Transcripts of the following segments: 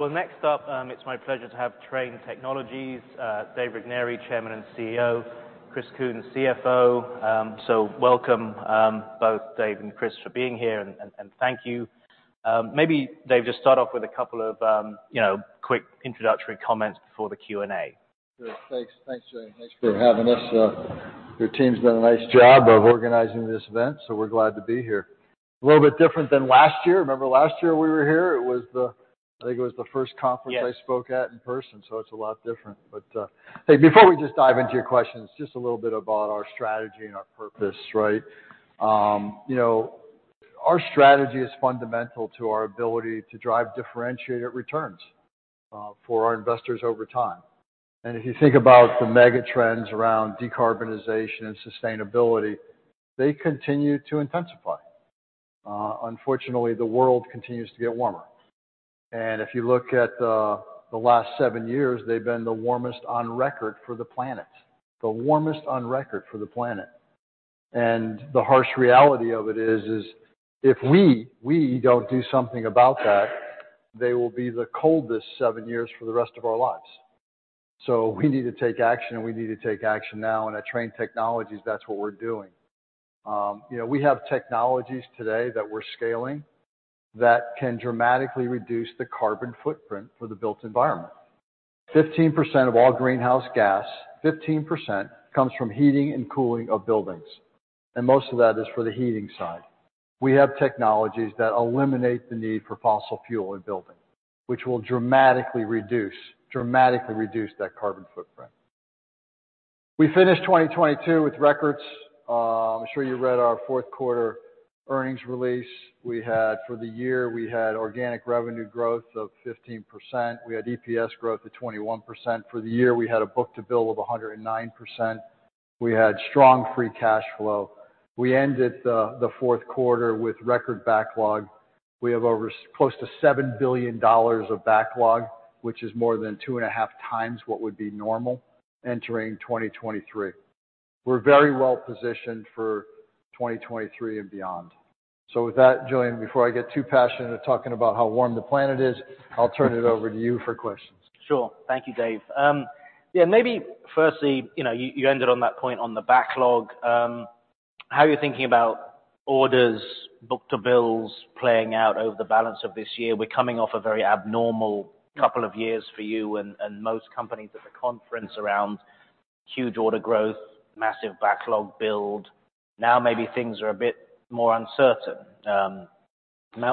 Next up, it's my pleasure to have Trane Technologies, Dave Regnery, Chairman and CEO, Chris Kuehn, CFO. Welcome, both Dave and Chris, for being here, and thank you. Maybe Dave, just start off with a couple of, you know, quick introductory comments before the Q&A. Good. Thanks. Thanks, Jullian. Thanks for having us. Your team's done a nice job of organizing this event, so we're glad to be here. A little bit different than last year. Remember last year we were here? It was the—I think it was the first conference I spoke at in person, so it's a lot different. But, hey, before we just dive into your questions, just a little bit about our strategy and our purpose, right? You know, our strategy is fundamental to our ability to drive differentiated returns for our investors over time. And if you think about the mega trends around decarbonization and sustainability, they continue to intensify. Unfortunately, the world continues to get warmer. And if you look at the last seven years, they've been the warmest on record for the planet, the warmest on record for the planet. The harsh reality of it is, if we do not do something about that, they will be the coldest seven years for the rest of our lives. We need to take action, and we need to take action now. At Trane Technologies, that is what we are doing. You know, we have technologies today that we are scaling that can dramatically reduce the carbon footprint for the built environment. 15% of all greenhouse gas, 15%, comes from heating and cooling of buildings. Most of that is for the heating side. We have technologies that eliminate the need for fossil fuel in buildings, which will dramatically reduce, dramatically reduce that carbon footprint. We finished 2022 with records. I am sure you read our fourth quarter earnings release. For the year, we had organic revenue growth of 15%. We had EPS growth of 21%. For the year, we had a book to bill of 109%. We had strong free cash flow. We ended the fourth quarter with record backlog. We have over close to $7 billion of backlog, which is more than two and a half times what would be normal entering 2023. We're very well positioned for 2023 and beyond. With that, Julian, before I get too passionate at talking about how warm the planet is, I'll turn it over to you for questions. Sure. Thank you, Dave. Yeah, maybe firstly, you know, you ended on that point on the backlog. How are you thinking about orders, book to bills playing out over the balance of this year? We're coming off a very abnormal couple of years for you and most companies at the conference around huge order growth, massive backlog build. Now maybe things are a bit more uncertain,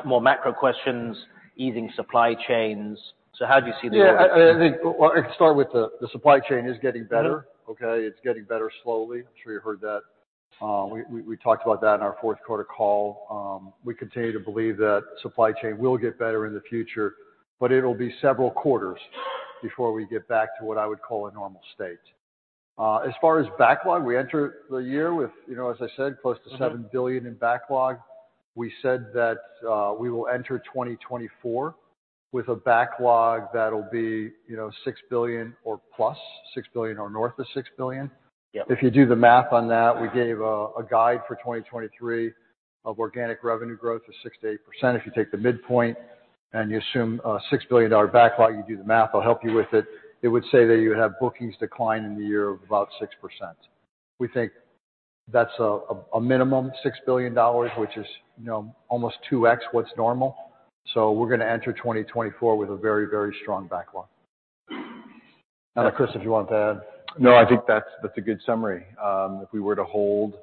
more micro questions, easing supply chains. How do you see the? Yeah. I think, well, I can start with the supply chain is getting better, okay? It's getting better slowly. I'm sure you heard that. We talked about that in our fourth quarter call. We continue to believe that supply chain will get better in the future, but it'll be several quarters before we get back to what I would call a normal state. As far as backlog, we entered the year with, you know, as I said, close to $7 billion in backlog. We said that we will enter 2024 with a backlog that'll be, you know, $6 billion or plus, $6 billion or north of $6 billion. Yep. If you do the math on that, we gave a guide for 2023 of organic revenue growth of 6%-8%. If you take the midpoint and you assume a $6 billion backlog, you do the math, I'll help you with it, it would say that you would have bookings decline in the year of about 6%. We think that's a minimum, $6 billion, which is, you know, almost 2x what's normal. We're gonna enter 2024 with a very, very strong backlog. I don't know, Chris, if you wanted to add. No, I think that's a good summary. If we were to hold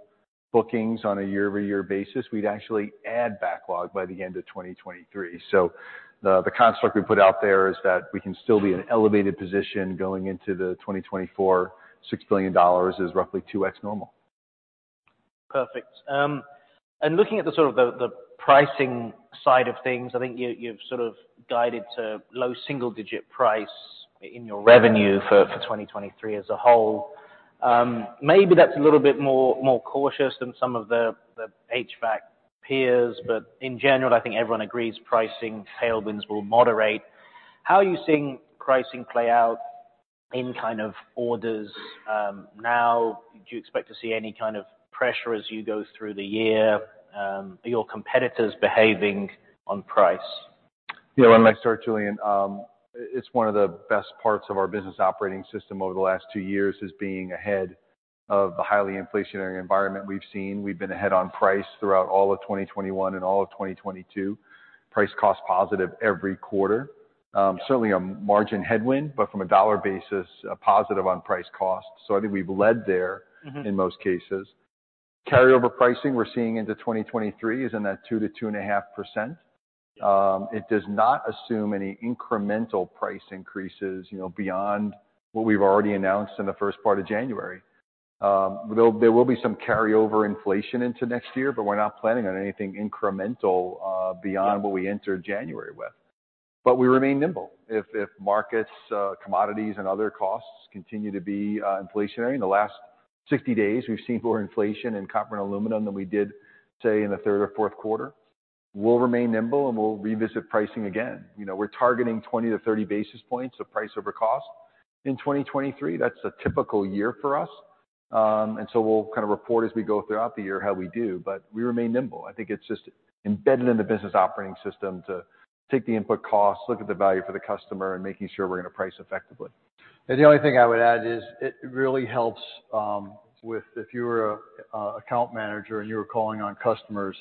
bookings on a year-over-year basis, we'd actually add backlog by the end of 2023. The construct we put out there is that we can still be in an elevated position going into 2024. $6 billion dollars is roughly two X normal. Perfect. And looking at the sort of the pricing side of things, I think you've sort of guided to low single-digit price in your revenue for 2023 as a whole. Maybe that's a little bit more cautious than some of the HVAC peers, but in general, I think everyone agrees pricing tailwinds will moderate. How are you seeing pricing play out in kind of orders now? Do you expect to see any kind of pressure as you go through the year? Are your competitors behaving on price? Yeah. When I start, Julian, it's one of the best parts of our business operating system over the last two years is being ahead of the highly inflationary environment we've seen. We've been ahead on price throughout all of 2021 and all of 2022, price cost positive every quarter. Certainly a margin headwind, but from a dollar basis, a positive on price cost. So I think we've led there. Mm-hmm. In most cases, carryover pricing we're seeing into 2023 is in that 2%-2.5%. It does not assume any incremental price increases, you know, beyond what we've already announced in the first part of January. There will be some carryover inflation into next year, but we're not planning on anything incremental beyond what we entered January with. We remain nimble. If markets, commodities, and other costs continue to be inflationary, in the last 60 days we've seen more inflation in copper and aluminum than we did, say, in the third or fourth quarter. We'll remain nimble and we'll revisit pricing again. You know, we're targeting 20-30 basis points of price over cost in 2023. That's a typical year for us, and so we'll kind of report as we go throughout the year how we do, but we remain nimble. I think it's just embedded in the business operating system to take the input costs, look at the value for the customer, and making sure we're gonna price effectively. The only thing I would add is it really helps if you were an account manager and you were calling on customers,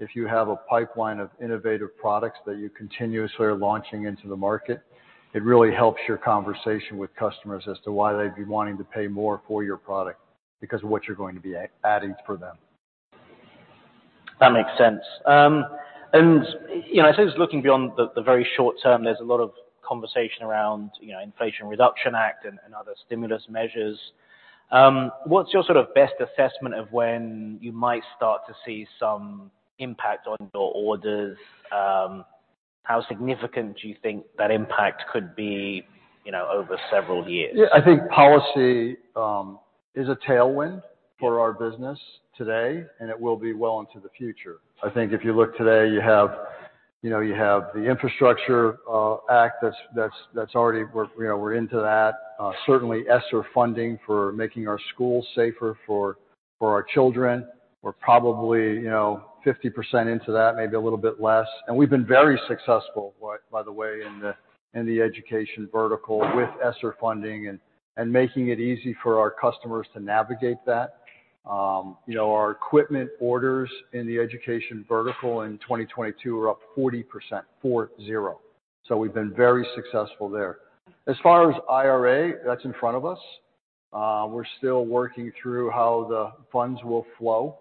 if you have a pipeline of innovative products that you continuously are launching into the market, it really helps your conversation with customers as to why they'd be wanting to pay more for your product because of what you're going to be adding for them. That makes sense. And, you know, I suppose looking beyond the very short term, there's a lot of conversation around, you know, Inflation Reduction Act and other stimulus measures. What's your sort of best assessment of when you might start to see some impact on your orders? How significant do you think that impact could be, you know, over several years? Yeah. I think policy is a tailwind for our business today, and it will be well into the future. I think if you look today, you have, you know, you have the Infrastructure Act that's already, we're, you know, we're into that. Certainly ESSER funding for making our schools safer for our children. We're probably, you know, 50% into that, maybe a little bit less. And we've been very successful, by the way, in the education vertical with ESSER funding and making it easy for our customers to navigate that. You know, our equipment orders in the education vertical in 2022 were up 40%, four zero. So we've been very successful there. As far as IRA, that's in front of us. We're still working through how the funds will flow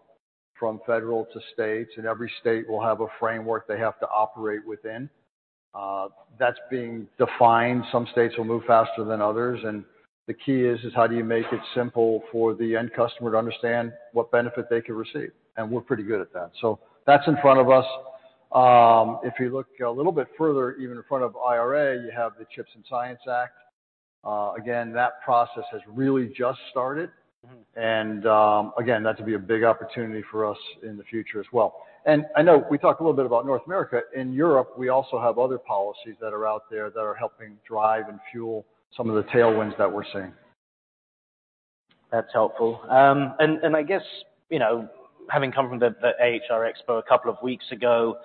from federal to states, and every state will have a framework they have to operate within. That's being defined. Some states will move faster than others. The key is, how do you make it simple for the end customer to understand what benefit they could receive? We're pretty good at that. That's in front of us. If you look a little bit further, even in front of IRA, you have the Chips and Science Act. Again, that process has really just started. Mm-hmm. That could be a big opportunity for us in the future as well. I know we talked a little bit about North America. In Europe, we also have other policies that are out there that are helping drive and fuel some of the tailwinds that we're seeing. That's helpful. And, and I guess, you know, having come from the, the AHR expert a couple of weeks ago,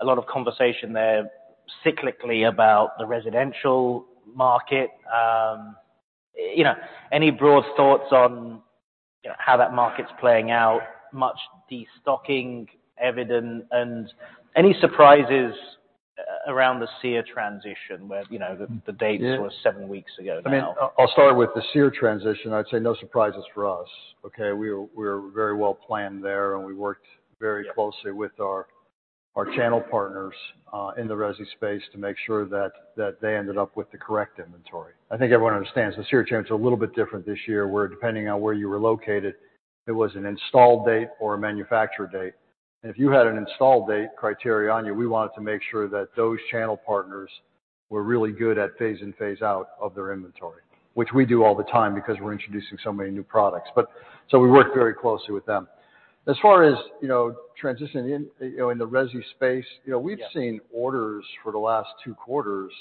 a lot of conversation there cyclically about the residential market. You know, any broad thoughts on, you know, how that market's playing out, much destocking evident, and any surprises, around the SEER transition where, you know, the, the dates were seven weeks ago now? I mean, I'll start with the SEER transition. I'd say no surprises for us, okay? We were very well planned there, and we worked very closely with our channel partners in the resi space to make sure that they ended up with the correct inventory. I think everyone understands the SEER change is a little bit different this year where, depending on where you were located, it was an install date or a manufacturer date. If you had an install date criteria on you, we wanted to make sure that those channel partners were really good at phase in, phase out of their inventory, which we do all the time because we're introducing so many new products. We worked very closely with them. As far as, you know, transitioning in, you know, in the resi space, you know, we've seen orders for the last two quarters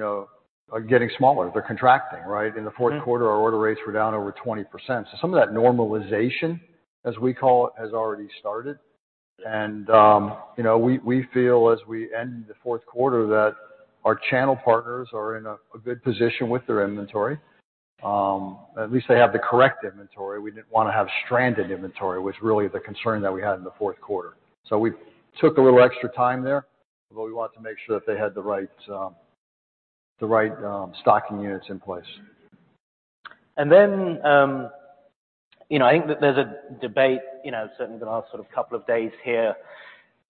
are getting smaller. They're contracting, right? In the fourth quarter, our order rates were down over 20%. Some of that normalization, as we call it, has already started. You know, we feel as we end the fourth quarter that our channel partners are in a good position with their inventory. At least they have the correct inventory. We didn't want to have stranded inventory, which really is a concern that we had in the fourth quarter. We took a little extra time there, but we wanted to make sure that they had the right, the right stocking units in place. You know, I think that there's a debate, certainly the last sort of couple of days here.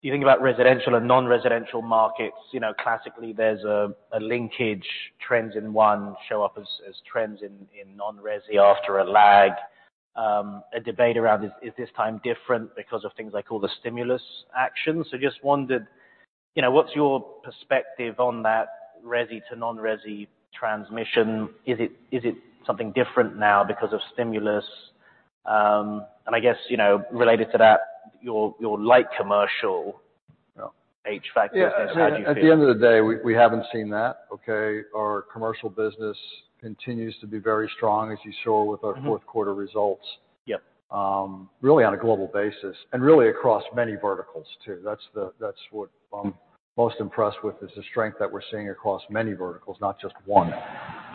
Do you think about residential and non-residential markets? Classically, there's a linkage; trends in one show up as trends in non-resi after a lag. A debate around is this time different because of things like all the stimulus actions? Just wondered, what's your perspective on that resi to non-resi transmission? Is it something different now because of stimulus? I guess, related to that, your light commercial. Yeah. HVAC business, how do you feel? Yeah. At the end of the day, we haven't seen that, okay? Our commercial business continues to be very strong, as you saw with our fourth quarter results. Yep. Really on a global basis and really across many verticals too. That's what I'm most impressed with is the strength that we're seeing across many verticals, not just one.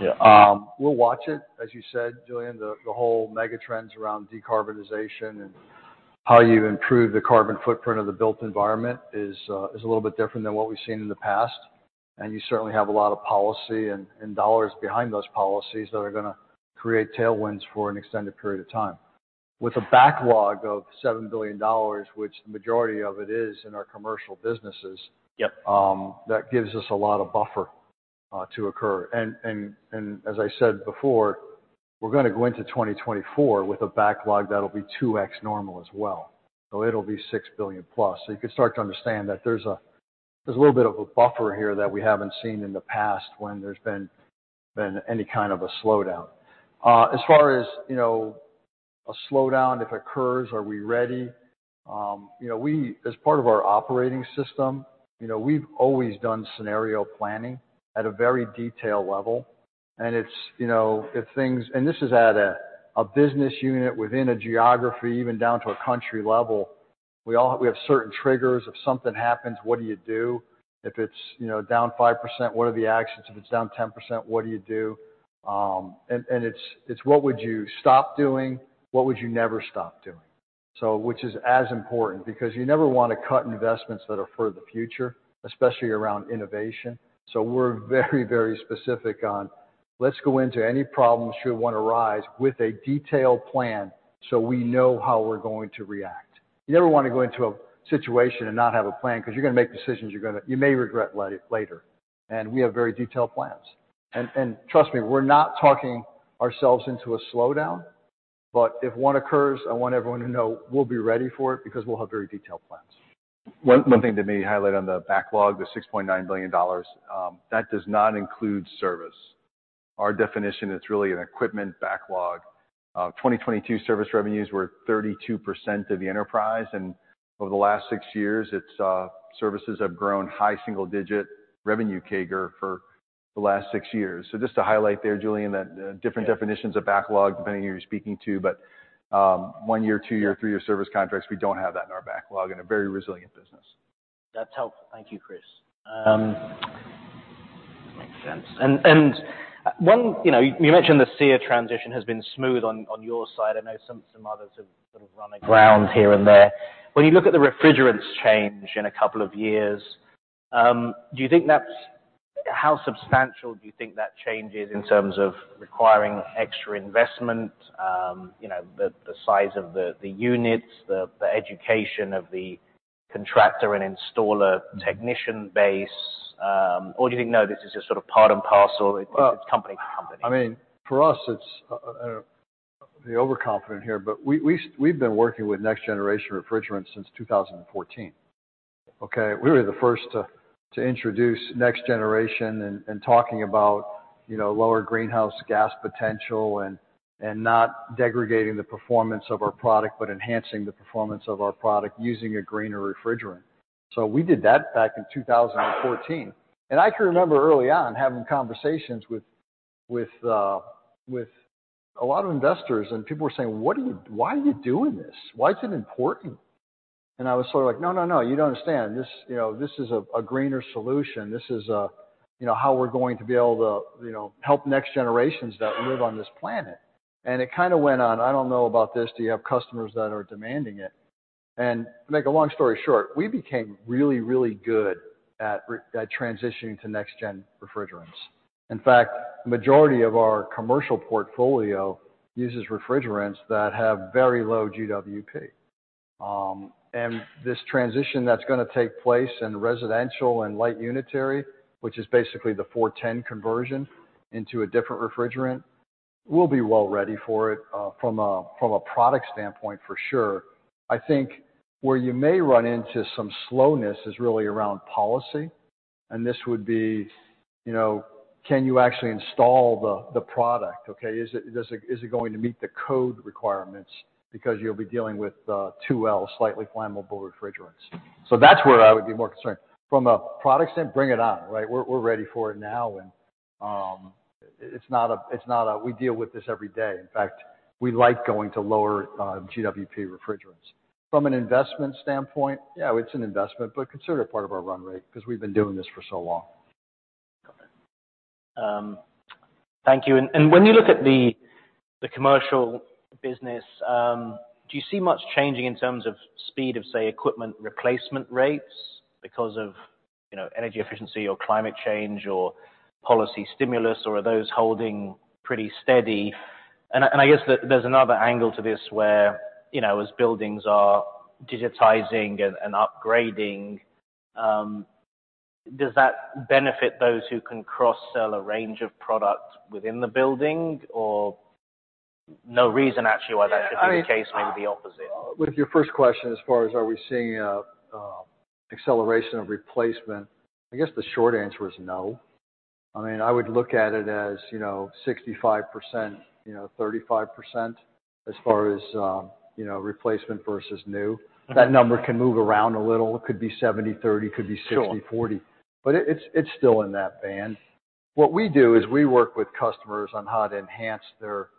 Yeah. We'll watch it, as you said, Julian, the whole mega trends around decarbonization and how you improve the carbon footprint of the built environment is a little bit different than what we've seen in the past. You certainly have a lot of policy and dollars behind those policies that are gonna create tailwinds for an extended period of time. With a backlog of $7 billion, which the majority of it is in our commercial businesses. Yep. That gives us a lot of buffer to occur. And as I said before, we're gonna go into 2024 with a backlog that'll be two X normal as well. It will be $6 billion plus. You could start to understand that there's a little bit of a buffer here that we haven't seen in the past when there's been any kind of a slowdown. As far as, you know, a slowdown, if it occurs, are we ready? You know, we, as part of our operating system, we've always done scenario planning at a very detailed level. It's, you know, if things—and this is at a business unit within a geography, even down to a country level—we have certain triggers. If something happens, what do you do? If it's down 5%, what are the actions? If it's down 10%, what do you do? And it's, it's what would you stop doing, what would you never stop doing? Which is as important because you never wanna cut investments that are for the future, especially around innovation. We're very, very specific on, let's go into any problems should wanna arise with a detailed plan so we know how we're going to react. You never wanna go into a situation and not have a plan 'cause you're gonna make decisions you're gonna—you may regret later. We have very detailed plans. Trust me, we're not talking ourselves into a slowdown, but if one occurs, I want everyone to know we'll be ready for it because we'll have very detailed plans. One thing to maybe highlight on the backlog, the $6.9 billion, that does not include service. Our definition, it's really an equipment backlog. 2022 service revenues were 32% of the enterprise. And over the last six years, services have grown high single-digit revenue CAGR for the last six years. Just to highlight there, Julian, that different definitions of backlog depending who you're speaking to, but one-year, two-year, three-year service contracts, we don't have that in our backlog in a very resilient business. That's helpful. Thank you, Chris. Makes sense. You mentioned the SEER transition has been smooth on your side. I know some others have sort of run aground here and there. When you look at the refrigerants change in a couple of years, how substantial do you think that change is in terms of requiring extra investment, the size of the units, the education of the contractor and installer technician base? Or do you think, no, this is just sort of part and parcel? It's company to company? I mean, for us, it's—I don't know if I'm being overconfident here, but we, we've been working with Next Generation Refrigerants since 2014, okay? We were the first to introduce Next Generation and, you know, talking about, you know, lower greenhouse gas potential and not degrading the performance of our product, but enhancing the performance of our product using a greener refrigerant. We did that back in 2014. I can remember early on having conversations with a lot of investors, and people were saying, "What are you—why are you doing this? Why is it important?" I was sort of like, "No, no, no. You don't understand. This, you know, this is a greener solution. This is a, you know, how we're going to be able to, you know, help next generations that live on this planet. And it kind of went on, "I don't know about this. Do you have customers that are demanding it?" To make a long story short, we became really, really good at transitioning to next-gen refrigerants. In fact, the majority of our commercial portfolio uses refrigerants that have very low GWP. This transition that's gonna take place in residential and light unitary, which is basically the 410 conversion into a different refrigerant, we'll be well ready for it, from a product standpoint for sure. I think where you may run into some slowness is really around policy. This would be, you know, can you actually install the product, okay? Is it—does it—is it going to meet the code requirements because you'll be dealing with 2L slightly flammable refrigerants? That is where I would be more concerned. From a product standpoint, bring it on, right? We are ready for it now. It is not a—we deal with this every day. In fact, we like going to lower GWP refrigerants. From an investment standpoint, yeah, it is an investment, but consider it part of our run rate because we have been doing this for so long. Got it. Thank you. And when you look at the commercial business, do you see much changing in terms of speed of, say, equipment replacement rates because of, you know, energy efficiency or climate change or policy stimulus, or are those holding pretty steady? And I guess that there's another angle to this where, you know, as buildings are digitizing and upgrading, does that benefit those who can cross-sell a range of products within the building or no reason actually why that should be the case, maybe the opposite? With your first question, as far as are we seeing an acceleration of replacement, I guess the short answer is no. I mean, I would look at it as, you know, 65%, you know, 35% as far as, you know, replacement versus new. That number can move around a little. It could be 70%-30%, could be 60%-40%. It is still in that band. What we do is we work with customers on how to enhance their,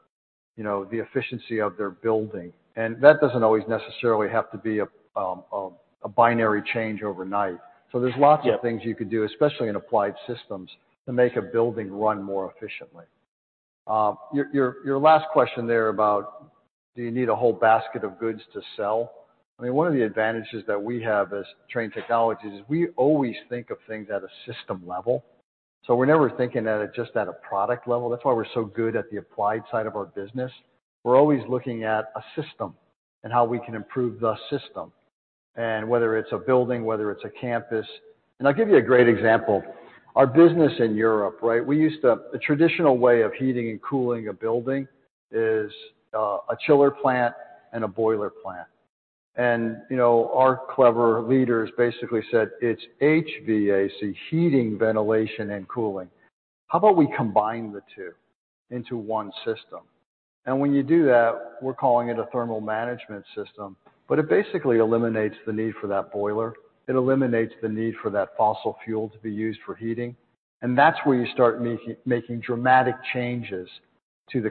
you know, the efficiency of their building. That does not always necessarily have to be a binary change overnight. There are lots of things you could do, especially in applied systems, to make a building run more efficiently. Your last question there about do you need a whole basket of goods to sell? I mean, one of the advantages that we have as Trane Technologies is we always think of things at a system level. So we're never thinking at it just at a product level. That's why we're so good at the applied side of our business. We're always looking at a system and how we can improve the system, and whether it's a building, whether it's a campus. I'll give you a great example. Our business in Europe, right? The traditional way of heating and cooling a building is, a chiller plant and a boiler plant. You know, our clever leaders basically said, "It's HVAC, heating, ventilation, and cooling. How about we combine the two into one system?" When you do that, we're calling it a thermal management system, but it basically eliminates the need for that boiler. It eliminates the need for that fossil fuel to be used for heating. You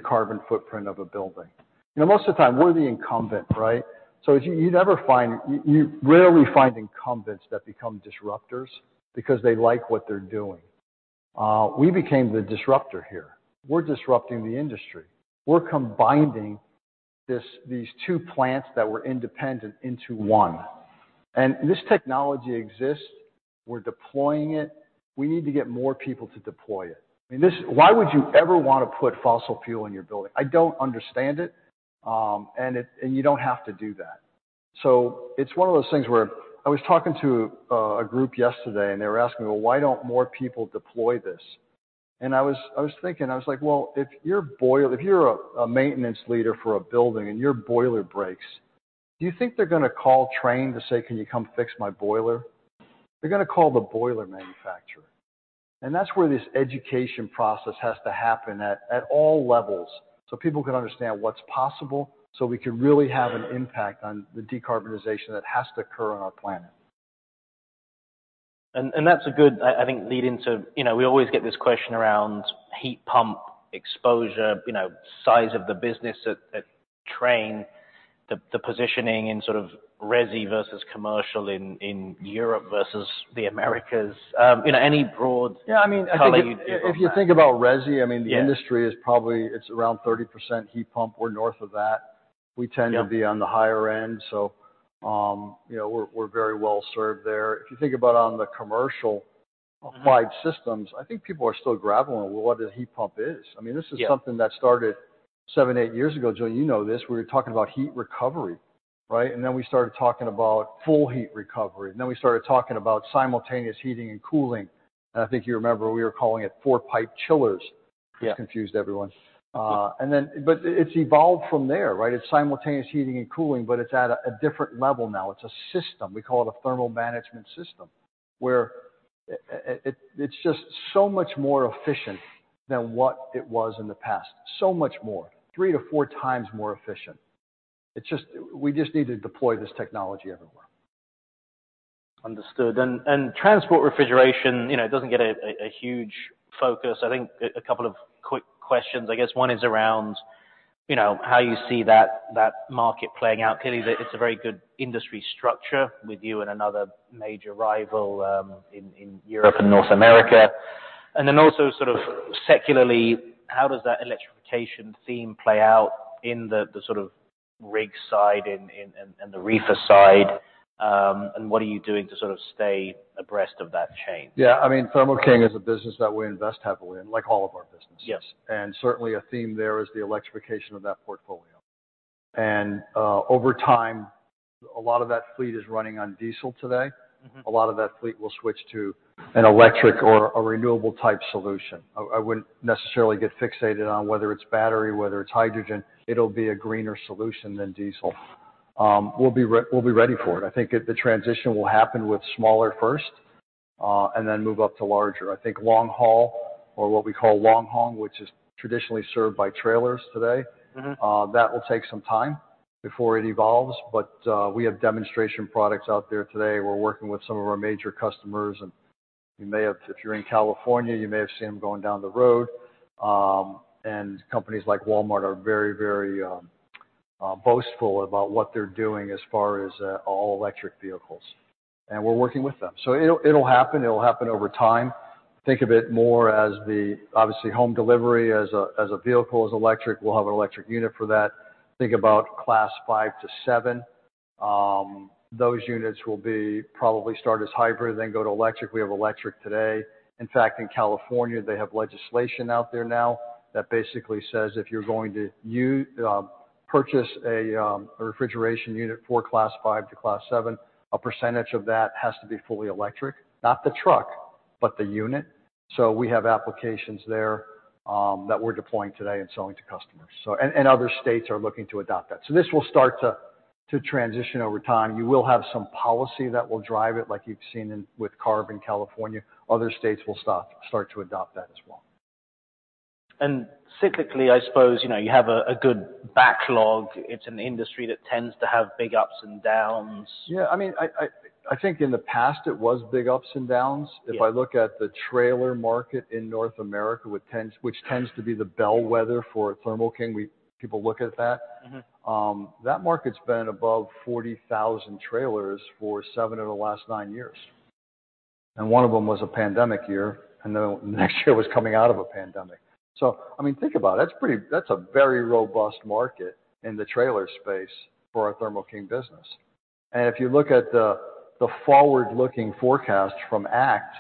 know, most of the time, we're the incumbent, right? You rarely find incumbents that become disruptors because they like what they're doing. We became the disruptor here. We're disrupting the industry. We're combining these two plants that were independent into one. This technology exists. We're deploying it. We need to get more people to deploy it. I mean, why would you ever wanna put fossil fuel in your building? I don't understand it. You don't have to do that. It is one of those things where I was talking to a group yesterday, and they were asking me, "Well, why don't more people deploy this?" I was thinking, I was like, "Well, if you're a boiler—if you're a maintenance leader for a building and your boiler breaks, do you think they're gonna call Trane to say, 'Can you come fix my boiler?'" They're gonna call the boiler manufacturer. That is where this education process has to happen at all levels so people can understand what's possible so we can really have an impact on the decarbonization that has to occur on our planet. That's a good—I think lead into, you know, we always get this question around heat pump exposure, you know, size of the business at Trane, the positioning in sort of resi versus commercial in, in Europe versus the Americas. You know, any broad color you do. Yeah. I mean, if you think about resi, I mean, the industry is probably—it's around 30% heat pump. We're north of that. We tend to be on the higher end. You know, we're very well served there. If you think about on the commercial applied systems, I think people are still grappling with what a heat pump is. I mean, this is something that started seven, eight years ago. Julian, you know this. We were talking about heat recovery, right? And then we started talking about full heat recovery. And then we started talking about simultaneous heating and cooling. I think you remember we were calling it four-pipe chillers. Yes. Which confused everyone. Then—but it's evolved from there, right? It's simultaneous heating and cooling, but it's at a different level now. It's a system. We call it a thermal management system where it's just so much more efficient than what it was in the past. So much more, three to four times more efficient. We just need to deploy this technology everywhere. Understood. And transport refrigeration, you know, it doesn't get a huge focus. I think a couple of quick questions. I guess one is around, you know, how you see that market playing out. Clearly, it's a very good industry structure with you and another major rival, in Europe and North America. And then also sort of secularly, how does that electrification theme play out in the sort of rig side and the reefer side? And what are you doing to sort of stay abreast of that change? Yeah. I mean, Thermo King is a business that we invest heavily in, like all of our businesses. Yes. Certainly a theme there is the electrification of that portfolio. Over time, a lot of that fleet is running on diesel today. Mm-hmm. A lot of that fleet will switch to an electric or a renewable-type solution. I wouldn't necessarily get fixated on whether it's battery, whether it's hydrogen. It'll be a greener solution than diesel. We'll be ready for it. I think the transition will happen with smaller first, and then move up to larger. I think long-haul, or what we call long-haul, which is traditionally served by trailers today. Mm-hmm. That will take some time before it evolves. We have demonstration products out there today. We're working with some of our major customers. If you're in California, you may have seen them going down the road. Companies like Walmart are very, very boastful about what they're doing as far as all-electric vehicles, and we're working with them. It'll happen. It'll happen over time. Think of it more as, obviously, home delivery as a vehicle is electric. We'll have an electric unit for that. Think about class five to seven. Those units will probably start as hybrid, then go to electric. We have electric today. In fact, in California, they have legislation out there now that basically says if you're going to purchase a refrigeration unit for class five to class seven, a percentage of that has to be fully electric. Not the truck, but the unit. We have applications there that we're deploying today and selling to customers. Other states are looking to adopt that. This will start to transition over time. You will have some policy that will drive it, like you've seen with CARB in California. Other states will start to adopt that as well. Typically, I suppose, you know, you have a good backlog. It's an industry that tends to have big ups and downs. Yeah. I mean, I think in the past it was big ups and downs. If I look at the trailer market in North America, which tends to be the bellwether for Thermo King, people look at that. Mm-hmm. That market's been above 40,000 trailers for seven of the last nine years. One of them was a pandemic year, and then the next year was coming out of a pandemic. I mean, think about it. That's pretty—that's a very robust market in the trailer space for our Thermo King business. If you look at the forward-looking forecast from ACT,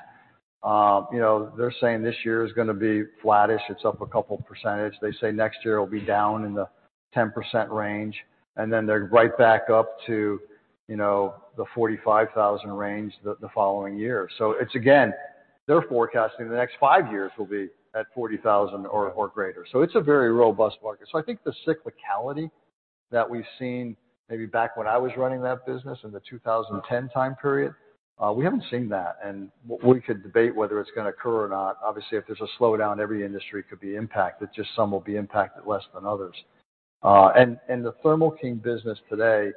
they're saying this year is gonna be flattish. It's up a couple %. They say next year it'll be down in the 10% range. They're right back up to the 45,000 range the following year. Again, they're forecasting the next five years will be at 40,000 or greater. It's a very robust market. I think the cyclicality that we've seen maybe back when I was running that business in the 2010 time period, we haven't seen that. We could debate whether it's gonna occur or not. Obviously, if there's a slowdown, every industry could be impacted. Just some will be impacted less than others. The Thermo King business today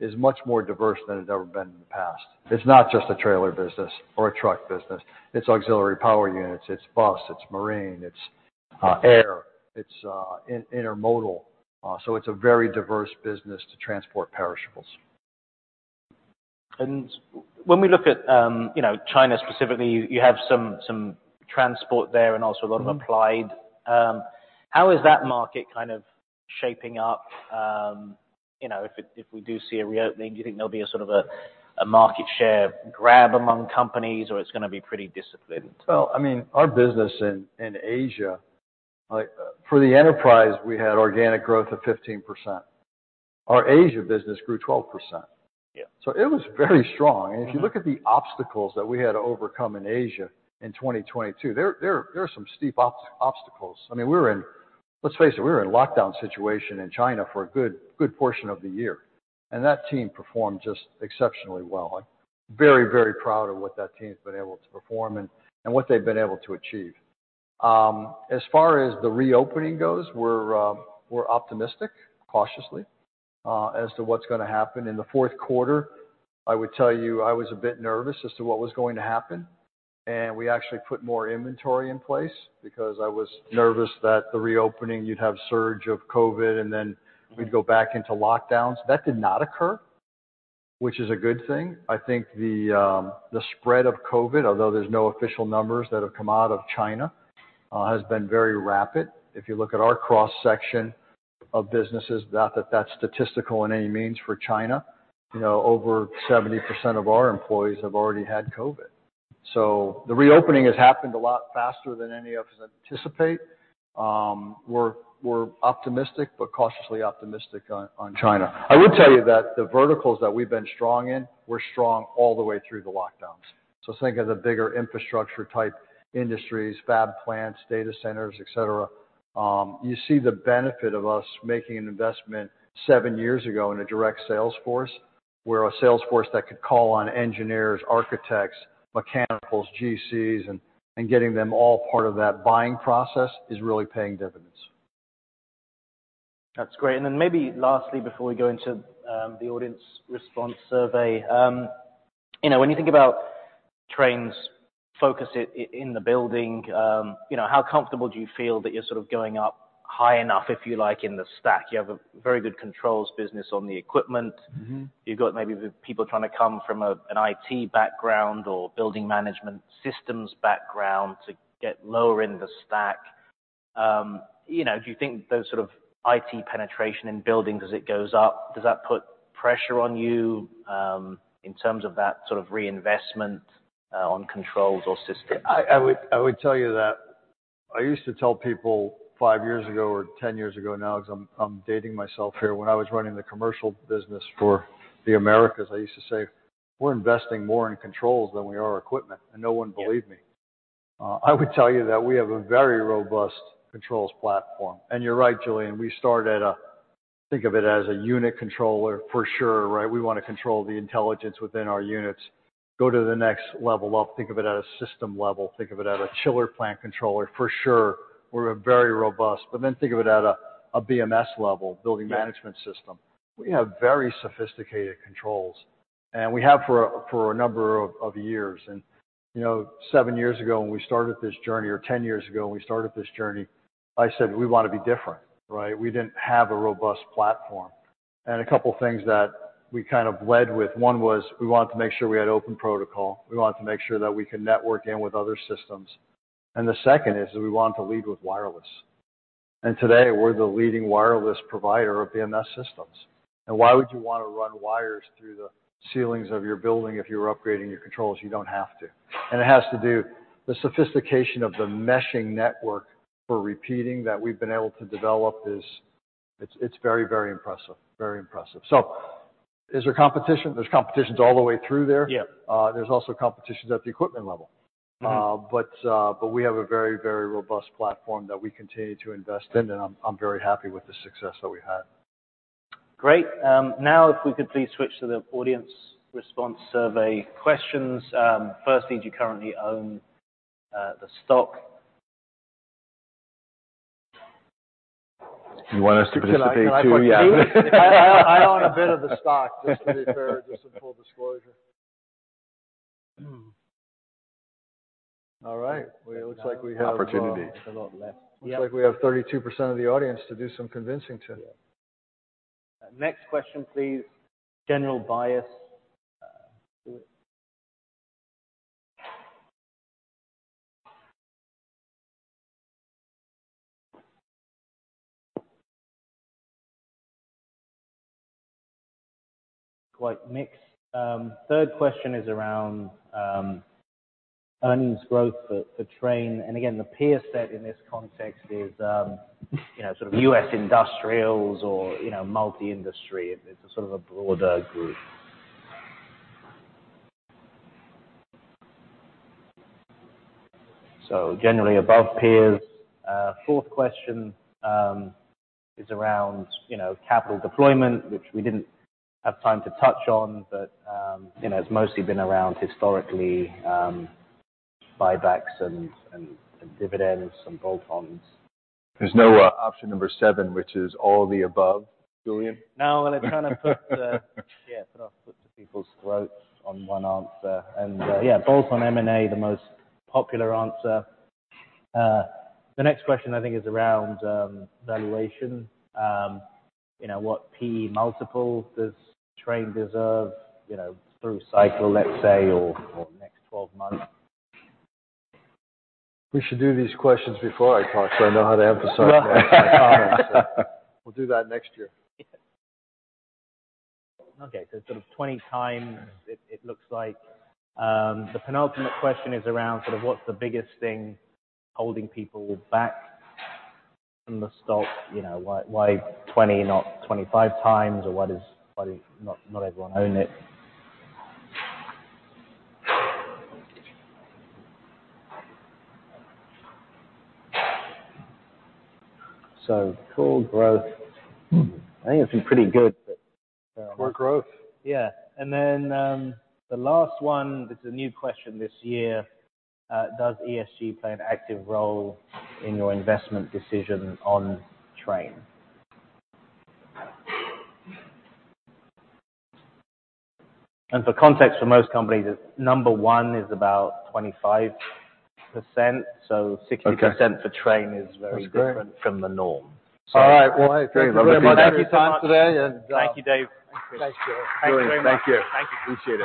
is much more diverse than it's ever been in the past. It's not just a trailer business or a truck business. It's auxiliary power units. It's bus. It's marine. It's air. It's intermodal. It's a very diverse business to transport perishables. When we look at, you know, China specifically, you have some transport there and also a lot of applied. Mm-hmm. How is that market kind of shaping up? You know, if it—if we do see a reopening, do you think there'll be a sort of a, a market share grab among companies, or it's gonna be pretty disciplined? I mean, our business in Asia, like, for the enterprise, we had organic growth of 15%. Our Asia business grew 12%. Yeah. It was very strong. If you look at the obstacles that we had to overcome in Asia in 2022, there are some steep obstacles. I mean, we were in—let's face it, we were in a lockdown situation in China for a good portion of the year. That team performed just exceptionally well. I'm very, very proud of what that team's been able to perform and what they've been able to achieve. As far as the reopening goes, we're optimistic, cautiously, as to what's gonna happen. In the fourth quarter, I would tell you I was a bit nervous as to what was going to happen. We actually put more inventory in place because I was nervous that the reopening, you'd have a surge of COVID, and then we'd go back into lockdowns. That did not occur, which is a good thing. I think the spread of COVID, although there's no official numbers that have come out of China, has been very rapid. If you look at our cross-section of businesses, not that that's statistical in any means for China, you know, over 70% of our employees have already had COVID. The reopening has happened a lot faster than any of us anticipate. We're optimistic but cautiously optimistic on China. I would tell you that the verticals that we've been strong in were strong all the way through the lockdowns. Think of the bigger infrastructure-type industries, fab plants, data centers, etc. You see the benefit of us making an investment seven years ago in a direct sales force where a sales force that could call on engineers, architects, mechanicals, GCs, and getting them all part of that buying process is really paying dividends. That's great. Maybe lastly, before we go into the audience response survey, you know, when you think about Trane's focus in the building, you know, how comfortable do you feel that you're sort of going up high enough, if you like, in the stack? You have a very good controls business on the equipment. Mm-hmm. You've got maybe people trying to come from a, an IT background or building management systems background to get lower in the stack. You know, do you think those sort of IT penetration in buildings as it goes up, does that put pressure on you, in terms of that sort of reinvestment, on controls or systems? I would tell you that I used to tell people five years ago or 10 years ago now, 'cause I'm dating myself here, when I was running the commercial business for the Americas, I used to say, "We're investing more in controls than we are equipment." No one believed me. I would tell you that we have a very robust controls platform. You are right, Julian. We start at a—think of it as a unit controller for sure, right? We want to control the intelligence within our units. Go to the next level up. Think of it at a system level. Think of it at a chiller plant controller for sure. We are very robust. Think of it at a BMS level, building management system. We have very sophisticated controls. We have for a number of years. You know, seven years ago when we started this journey, or 10 years ago when we started this journey, I said, "We wanna be different," right? We did not have a robust platform. A couple things that we kind of led with, one was we wanted to make sure we had open protocol. We wanted to make sure that we could network in with other systems. The second is we wanted to lead with wireless. Today we are the leading wireless provider of BMS systems. Why would you wanna run wires through the ceilings of your building if you are upgrading your controls? You do not have to. It has to do with the sophistication of the meshing network for repeating that we have been able to develop. It is very, very impressive. Very impressive. Is there competition? There is competition all the way through there. Yeah. There's also competitions at the equipment level. Mm-hmm. We have a very, very robust platform that we continue to invest in. I'm very happy with the success that we've had. Great. Now if we could please switch to the audience response survey questions. First, did you currently own the stock? You want us to participate too? Yeah. I own a bit of the stock, just to be fair, just in full disclosure. All right. It looks like we have a lot left. Looks like we have 32% of the audience to do some convincing too. Next question, please. General bias. Quite mixed. Third question is around earnings growth for, for Trane. And again, the peer set in this context is, you know, sort of US industrials or, you know, multi-industry. It's a sort of a broader group. So generally above peers. Fourth question is around, you know, capital deployment, which we didn't have time to touch on. But, you know, it's mostly been around historically, buybacks and dividends and bolt-ons. There's no option number seven, which is all the above, Julian. No. It kinda puts the—yeah, put our foot to people's throats on one answer. Yeah, bolt-on M&A, the most popular answer. The next question I think is around valuation. You know, what PE multiple does Trane deserve, you know, through cycle, let's say, or next 12 months? We should do these questions before I talk so I know how to emphasize them. Right. I promise. We'll do that next year. Okay. So sort of 20 times, it looks like. The penultimate question is around sort of what's the biggest thing holding people back from the stock? You know, why, why 20, not 25 times, or why does—not everyone own it? So core growth. I think it's been pretty good, but. Core growth? Yeah. And then, the last one, this is a new question this year. Does ESG play an active role in your investment decision on Trane? And for context, for most companies, number one is about 25%. So 60% for Trane is very different from the norm. All right. Hey, great. I'm glad you had some time today. Thank you, Dave. Thanks, Joe. Thanks very much. Thank you. Thank you.